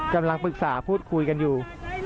กำลังปรึกษาพูดคุยกันอยู่